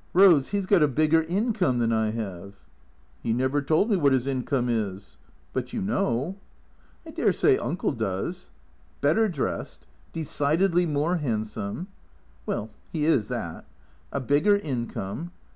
" Rose — he 's got a bigger income than I have." " He never told me what his income is." " But you know ?'^" I dare say Uncle does." " Better dressed — decidedly more handsome "" Well — he is that." " A bigger income.